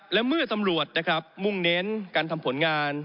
และเมื่อตำรวจนะครับมุ่งเน้นการทำผลงาน